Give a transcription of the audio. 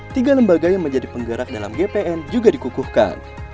tiga lembaga yang menjadi penggerak dalam gpn juga dikukuhkan